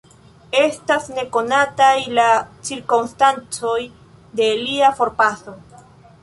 Estas ne konataj la cirkonstancoj de lia forpaso.